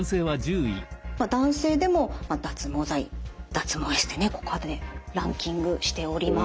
男性でも脱毛剤脱毛エステねランキングしております。